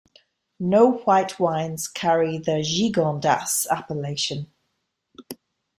No white wines carry the Gigondas appellation.